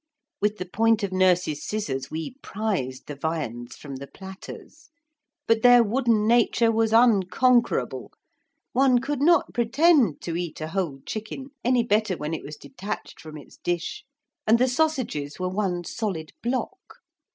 With the point of nurse's scissors we prised the viands from the platters. But their wooden nature was unconquerable. One could not pretend to eat a whole chicken any better when it was detached from its dish, and the sausages were one solid block.